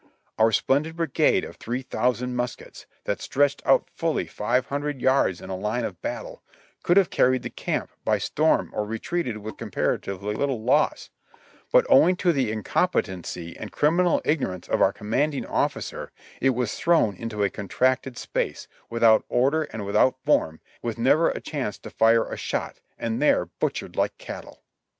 Our splendid bri gade of three thousand muskets, that stretched out fully five hundred yards in line of battle, could have carried the camp by storm or retreated with comparatively little loss; but owing to the incompetency and criminal ignorance of our commanding officer, it was thrown into a contracted space, without order and without form, with never a chance to fire a shot, and there butch ered like cattle